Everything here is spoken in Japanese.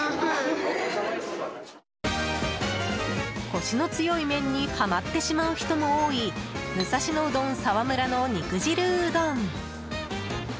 コシの強い麺にはまってしまう人も多い武蔵野うどん澤村の肉汁うどん。